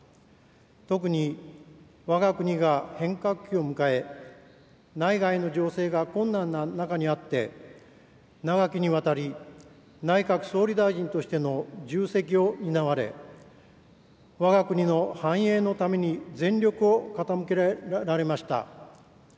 特にわが国が変革期を迎え、内外の情勢が困難な中にあって、長きにわたり、内閣総理大臣としての重責を担われ、わが国の繁栄のために全力を傾けられました。